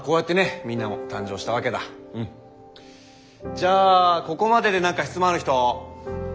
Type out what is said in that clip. じゃあここまでで何か質問ある人。